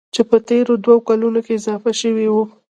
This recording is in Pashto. چې په تېرو دوو کلونو کې اضافه شوي وو.